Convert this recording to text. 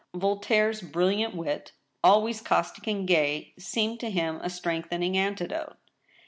Voltaire's brilliant wit, always caustic and gay, seemed to him a strengthening antidote.